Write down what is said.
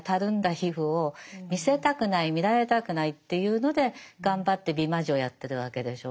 皮膚を見せたくない見られたくないっていうので頑張って美魔女をやってるわけでしょ。